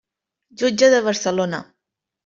Jutge de Barcelona.